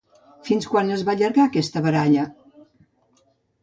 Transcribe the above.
Fins quan es va allargar aquesta baralla?